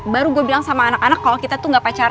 baru gue bilang sama anak anak kalo kita itu udah gak pacaran